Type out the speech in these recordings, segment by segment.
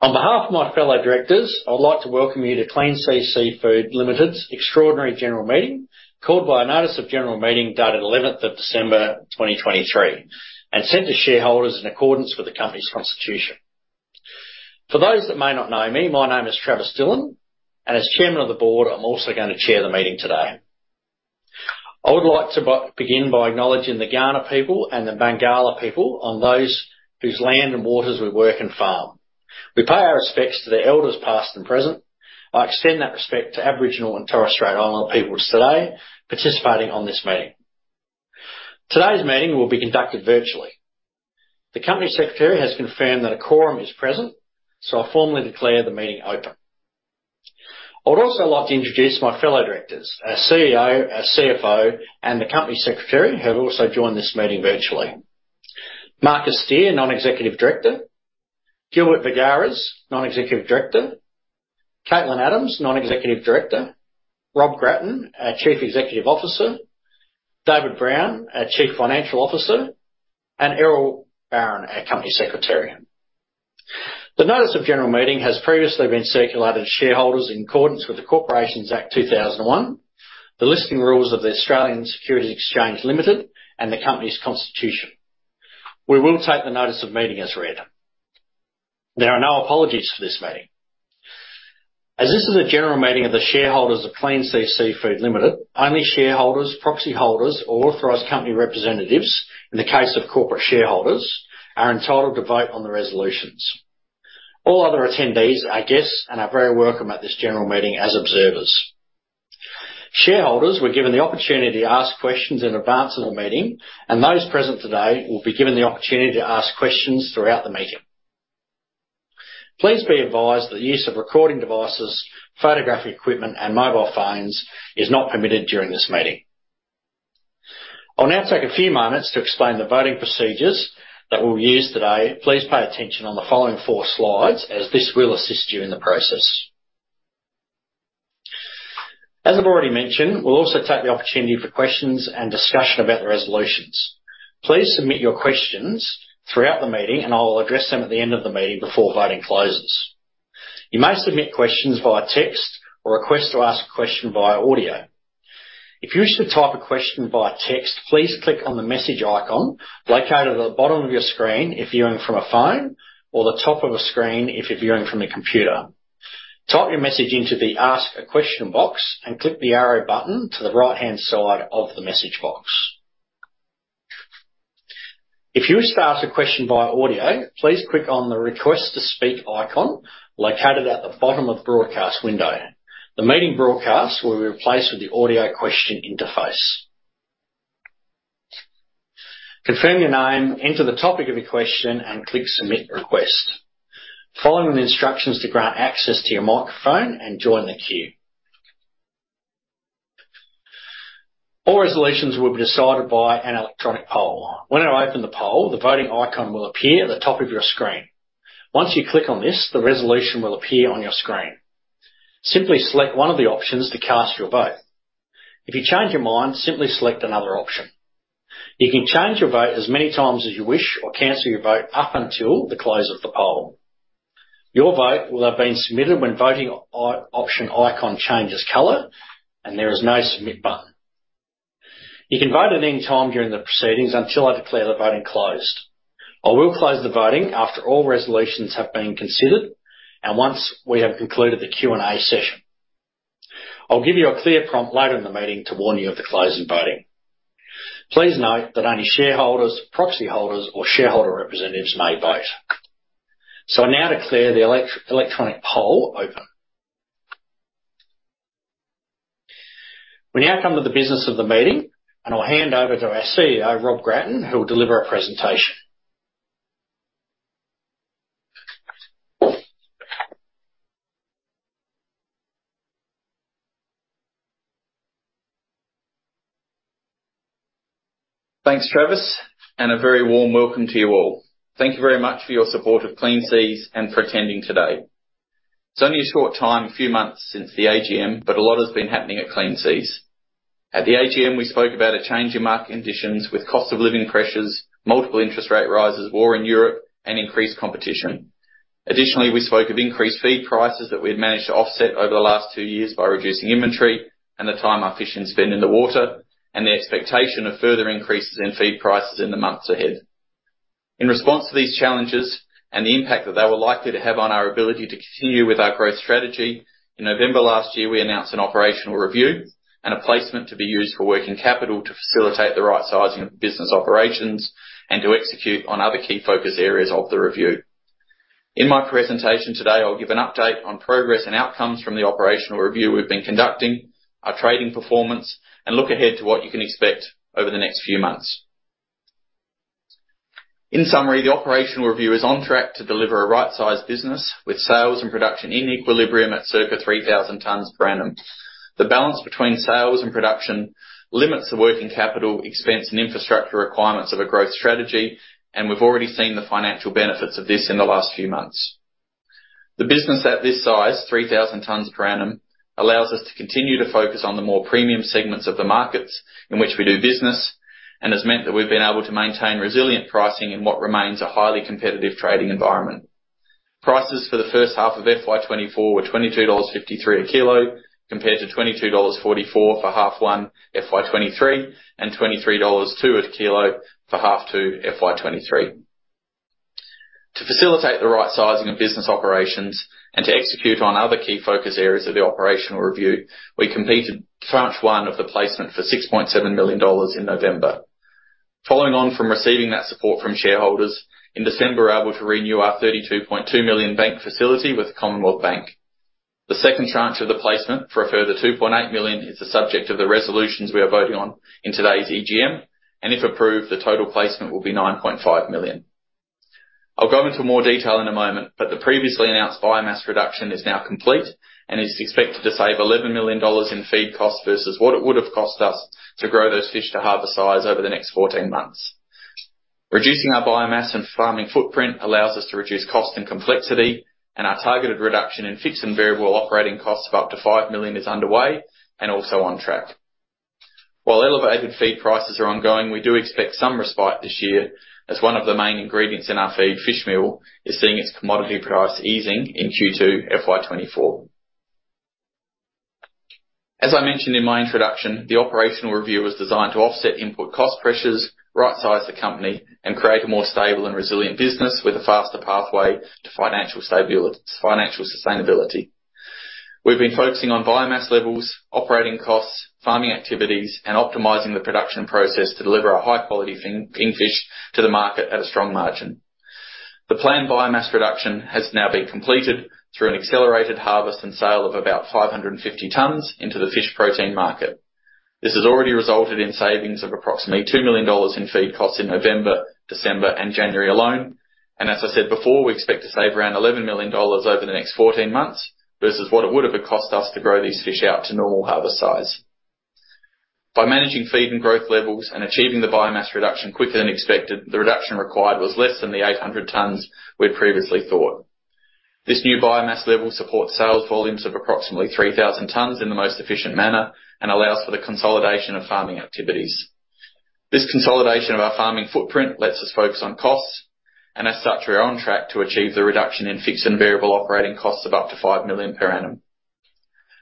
On behalf of my fellow directors, I'd like to welcome you to Clean Seas Seafood Limited's Extraordinary General Meeting, called by a notice of general meeting dated 11th of December, 2023, and sent to shareholders in accordance with the company's constitution. For those that may not know me, my name is Travis Dillon, and as chairman of the board, I'm also going to chair the meeting today. I would like to begin by acknowledging the Kaurna people and the Barngarla people, on whose land and waters we work and farm. We pay our respects to the elders, past and present. I extend that respect to Aboriginal and Torres Strait Islander peoples today, participating on this meeting. Today's meeting will be conducted virtually. The company secretary has confirmed that a quorum is present, so I formally declare the meeting open. I would also like to introduce my fellow directors, our CEO, our CFO, and the company secretary, who have also joined this meeting virtually. Marcus Stehr, Non-Executive Director, Gilbert Vergères, Non-Executive Director, Katelyn Adams, Non-Executive Director, Rob Gratton, our Chief Executive Officer, David Brown, our Chief Financial Officer, and Eryl Baron, our Company Secretary. The notice of general meeting has previously been circulated to shareholders in accordance with the Corporations Act 2001, the listing rules of the Australian Securities Exchange Limited, and the company's constitution. We will take the notice of meeting as read. There are no apologies for this meeting. As this is a general meeting of the shareholders of Clean Seas Seafood Limited, only shareholders, proxy holders, or authorized company representatives, in the case of corporate shareholders, are entitled to vote on the resolutions. All other attendees are guests and are very welcome at this general meeting as observers. Shareholders were given the opportunity to ask questions in advance of the meeting, and those present today will be given the opportunity to ask questions throughout the meeting. Please be advised that the use of recording devices, photographic equipment, and mobile phones is not permitted during this meeting. I'll now take a few moments to explain the voting procedures that we'll use today. Please pay attention on the following four slides, as this will assist you in the process. As I've already mentioned, we'll also take the opportunity for questions and discussion about the resolutions. Please submit your questions throughout the meeting, and I will address them at the end of the meeting before voting closes. You may submit questions via text or request to ask a question via audio. If you wish to type a question via text, please click on the message icon located at the bottom of your screen if viewing from a phone, or the top of a screen if you're viewing from a computer. Type your message into the Ask a Question box and click the arrow button to the right-hand side of the message box. If you wish to ask a question via audio, please click on the Request to Speak icon located at the bottom of the broadcast window. The meeting broadcast will be replaced with the audio question interface. Confirm your name, enter the topic of your question, and click Submit Request. Follow the instructions to grant access to your microphone and join the queue. All resolutions will be decided by an electronic poll. When I open the poll, the voting icon will appear at the top of your screen. Once you click on this, the resolution will appear on your screen. Simply select one of the options to cast your vote. If you change your mind, simply select another option. You can change your vote as many times as you wish or cancel your vote up until the close of the poll. Your vote will have been submitted when the voting option icon changes color, and there is no Submit button. You can vote at any time during the proceedings until I declare the voting closed. I will close the voting after all resolutions have been considered and once we have concluded the Q&A session. I'll give you a clear prompt later in the meeting to warn you of the closing voting. Please note that only shareholders, proxy holders, or shareholder representatives may vote. So now, the electronic poll is open. We now come to the business of the meeting, and I'll hand over to our CEO, Rob Gratton, who will deliver a presentation. Thanks, Travis, and a very warm welcome to you all. Thank you very much for your support of Clean Seas and for attending today. It's only a short time, a few months, since the AGM, but a lot has been happening at Clean Seas. At the AGM, we spoke about a change in market conditions with cost of living pressures, multiple interest rate rises, war in Europe, and increased competition. Additionally, we spoke of increased feed prices that we've managed to offset over the last two years by reducing inventory and the time our fish in pens spend in the water, and the expectation of further increases in feed prices in the months ahead. In response to these challenges and the impact that they were likely to have on our ability to continue with our growth strategy, in November last year, we announced an operational review and a placement to be used for working capital to facilitate the right sizing of business operations and to execute on other key focus areas of the review. In my presentation today, I'll give an update on progress and outcomes from the operational review we've been conducting, our trading performance, and look ahead to what you can expect over the next few months. In summary, the operational review is on track to deliver a right-sized business with sales and production in equilibrium at circa 3,000 tons per annum. The balance between sales and production limits the working capital, expense, and infrastructure requirements of a growth strategy, and we've already seen the financial benefits of this in the last few months. The business at this size, 3,000 tons per annum, allows us to continue to focus on the more premium segments of the markets in which we do business, and has meant that we've been able to maintain resilient pricing in what remains a highly competitive trading environment. Prices for the first half of FY 2024 were AUD 22.53 a kilo, compared to AUD 22.44 for half one, FY 2023, and AUD 23.02 a kilo for half two, FY 2023. To facilitate the right sizing of business operations and to execute on other key focus areas of the operational review, we completed tranche one of the placement for 6.7 million dollars in November. Following on from receiving that support from shareholders, in December, we were able to renew our 32.2 million bank facility with Commonwealth Bank. The second tranche of the placement for a further 2.8 million is the subject of the resolutions we are voting on in today's EGM, and if approved, the total placement will be 9.5 million. I'll go into more detail in a moment, but the previously announced biomass reduction is now complete and is expected to save 11 million dollars in feed costs versus what it would have cost us to grow those fish to harvest size over the next 14 months. Reducing our biomass and farming footprint allows us to reduce cost and complexity, and our targeted reduction in fixed and variable operating costs of up to 5 million is underway and also on track. While elevated feed prices are ongoing, we do expect some respite this year, as one of the main ingredients in our feed, fishmeal, is seeing its commodity price easing in Q2 FY 2024. As I mentioned in my introduction, the operational review was designed to offset input cost pressures, rightsize the company, and create a more stable and resilient business with a faster pathway to financial stabil- financial sustainability. We've been focusing on biomass levels, operating costs, farming activities, and optimizing the production process to deliver a high-quality king, kingfish to the market at a strong margin. The planned biomass reduction has now been completed through an accelerated harvest and sale of about 550 tons into the fish protein market. This has already resulted in savings of approximately 2 million dollars in feed costs in November, December, and January alone. As I said before, we expect to save around 11 million dollars over the next 14 months, versus what it would have cost us to grow these fish out to normal harvest size. By managing feed and growth levels and achieving the biomass reduction quicker than expected, the reduction required was less than the 800 tons we had previously thought. This new biomass level supports sales volumes of approximately 3,000 tons in the most efficient manner and allows for the consolidation of farming activities. This consolidation of our farming footprint lets us focus on costs, and as such, we are on track to achieve the reduction in fixed and variable operating costs of up to 5 million per annum.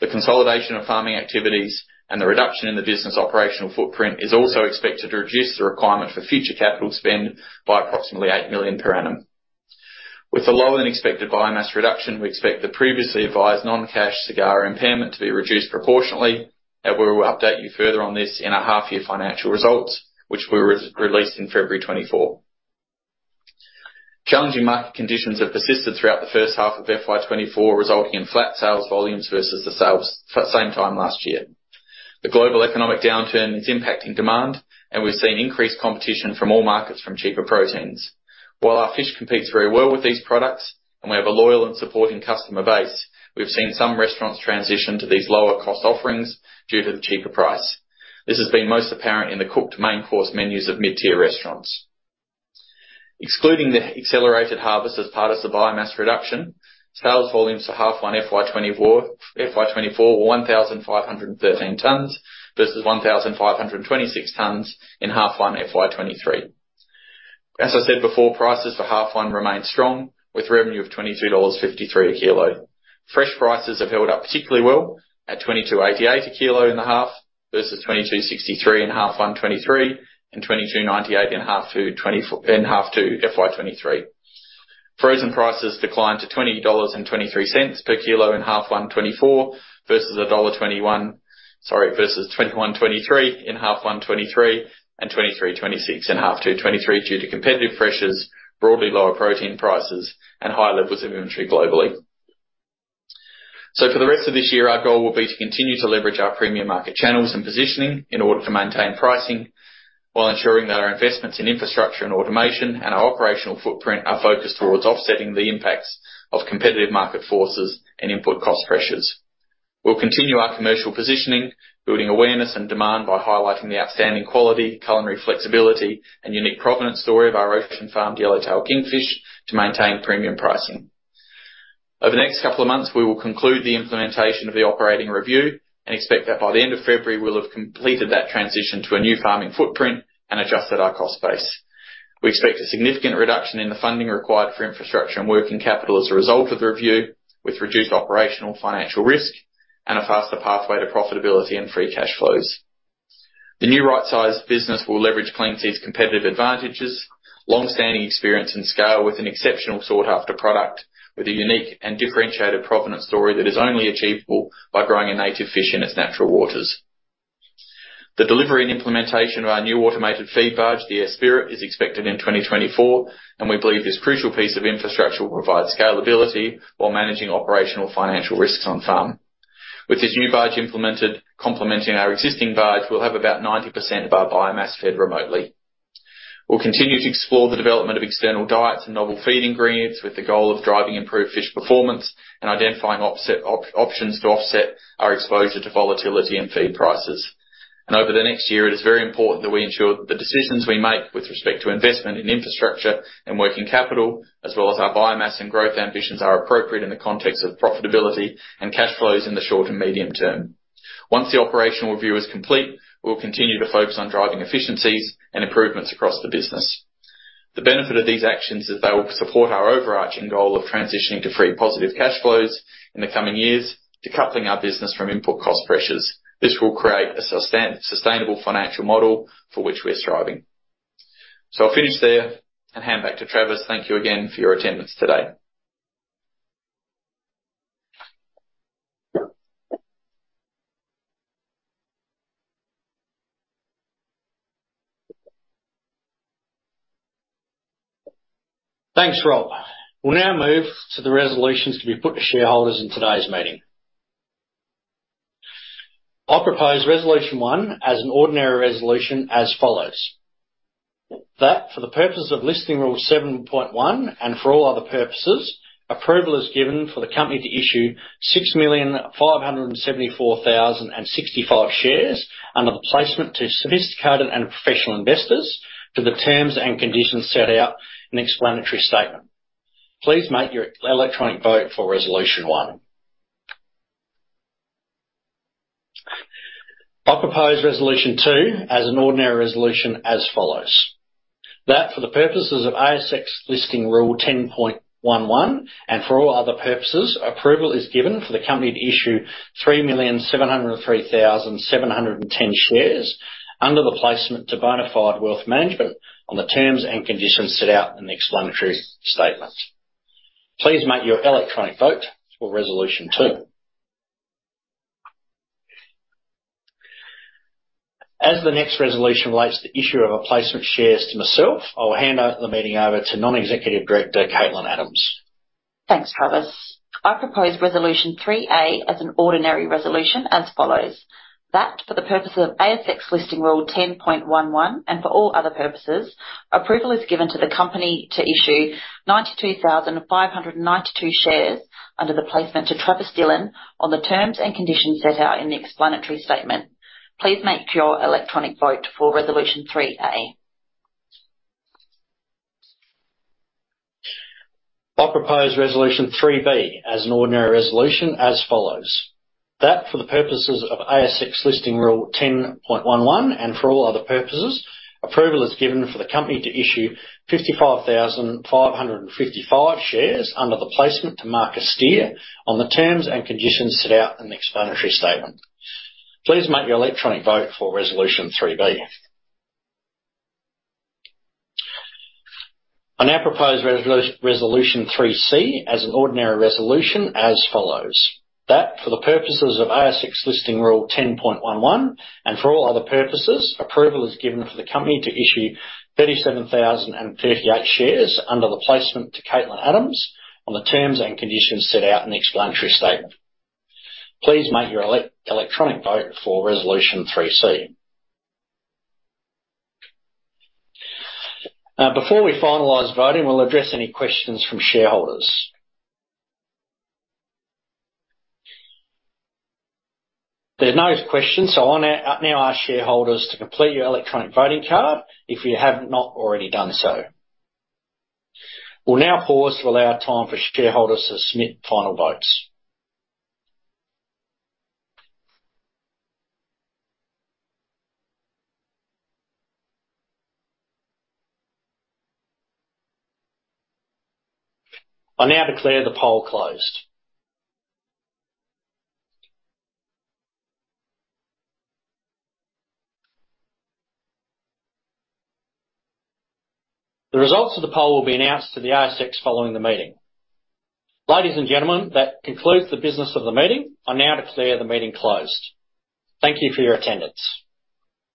The consolidation of farming activities and the reduction in the business operational footprint is also expected to reduce the requirement for future capital spend by approximately 8 million per annum. With the lower-than-expected biomass reduction, we expect the previously advised non-cash asset impairment to be reduced proportionately, and we will update you further on this in our half-year financial results, which we re-released in February 2024. Challenging market conditions have persisted throughout the first half of FY 2024, resulting in flat sales volumes versus the sales for same time last year. The global economic downturn is impacting demand, and we've seen increased competition from all markets from cheaper proteins. While our fish competes very well with these products, and we have a loyal and supporting customer base, we've seen some restaurants transition to these lower-cost offerings due to the cheaper price. This has been most apparent in the cooked main course menus of mid-tier restaurants. Excluding the accelerated harvest as part of the biomass reduction, sales volumes for half one FY 2024, FY 2024 were 1,513 tons, versus 1,526 tons in half one, FY 2023. As I said before, prices for half one remained strong, with revenue of 22.53 dollars a kilo. Fresh prices have held up particularly well at 22.88 a kilo in the half, versus 22.63 in half one, 2023, and AUD 22.98 in half two 2024 in half two, FY 2023. Frozen prices declined to 20.23 dollars per kilo in H1 2024, versus AUD 1.21 - sorry, versus 21.23 in H1 2023, and 23.26 in H2 2023, due to competitive pressures, broadly lower protein prices, and high levels of inventory globally. So for the rest of this year, our goal will be to continue to leverage our premium market channels and positioning in order to maintain pricing, while ensuring that our investments in infrastructure and automation and our operational footprint are focused towards offsetting the impacts of competitive market forces and input cost pressures. We'll continue our commercial positioning, building awareness and demand by highlighting the outstanding quality, culinary flexibility, and unique provenance story of our ocean-farmed Yellowtail Kingfish to maintain premium pricing. Over the next couple of months, we will conclude the implementation of the operating review and expect that by the end of February, we'll have completed that transition to a new farming footprint and adjusted our cost base. We expect a significant reduction in the funding required for infrastructure and working capital as a result of the review, with reduced operational financial risk and a faster pathway to profitability and free cash flows. The new right-sized business will leverage Clean Seas' competitive advantages, long-standing experience and scale, with an exceptional sought-after product with a unique and differentiated provenance story that is only achievable by growing a native fish in its natural waters. The delivery and implementation of our new automated feed barge, the Esprit, is expected in 2024, and we believe this crucial piece of infrastructure will provide scalability while managing operational financial risks on farm. With this new barge implemented, complementing our existing barge, we'll have about 90% of our biomass fed remotely. We'll continue to explore the development of external diets and novel feed ingredients with the goal of driving improved fish performance and identifying offset options to offset our exposure to volatility and feed prices. And over the next year, it is very important that we ensure that the decisions we make with respect to investment in infrastructure and working capital, as well as our biomass and growth ambitions, are appropriate in the context of profitability and cash flows in the short and medium term. Once the operational review is complete, we'll continue to focus on driving efficiencies and improvements across the business. The benefit of these actions is they will support our overarching goal of transitioning to free positive cash flows in the coming years, decoupling our business from input cost pressures. This will create a sustainable financial model for which we are striving. So I'll finish there and hand back to Travis. Thank you again for your attendance today. Thanks, Rob. We'll now move to the resolutions to be put to shareholders in today's meeting. I propose Resolution one as an ordinary resolution as follows: That for the purpose of Listing Rule 7.1, and for all other purposes, approval is given for the company to issue 6,574,065 shares under the placement to sophisticated and professional investors to the terms and conditions set out in the explanatory statement. Please make your electronic vote for Resolution one. I propose Resolution two as an ordinary resolution as follows: That for the purposes of ASX Listing Rule 10.11, and for all other purposes, approval is given for the company to issue 3,703,710 shares under the placement to Bonafide Wealth Management on the terms and conditions set out in the explanatory statement. Please make your electronic vote for Resolution two. As the next resolution relates to the issue of a placement shares to myself, I'll hand over the meeting to Non-Executive Director Katelyn Adams. Thanks, Travis. I propose Resolution 3A as an ordinary resolution as follows: That for the purpose of ASX Listing Rule 10.11, and for all other purposes, approval is given to the company to issue 92,592 shares under the placement to Travis Dillon on the terms and conditions set out in the explanatory statement. Please make your electronic vote for Resolution 3A. I propose Resolution 3B as an ordinary resolution as follows: That for the purposes of ASX Listing Rule 10.11, and for all other purposes, approval is given for the company to issue 55,555 shares under the placement to Marcus Stehr on the terms and conditions set out in the explanatory statement. Please make your electronic vote for Resolution 3B. I now propose Resolution 3C as an ordinary resolution as follows: That for the purposes of ASX Listing Rule 10.11, and for all other purposes, approval is given for the company to issue 37,038 shares under the placement to Katelyn Adams on the terms and conditions set out in the explanatory statement. Please make your electronic vote for Resolution 3C. Before we finalize voting, we'll address any questions from shareholders. There's no questions, so I want to now ask shareholders to complete your electronic voting card if you have not already done so. We'll now pause to allow time for shareholders to submit final votes. I now declare the poll closed. The results of the poll will be announced to the ASX following the meeting. Ladies and gentlemen, that concludes the business of the meeting. I now declare the meeting closed. Thank you for your attendance.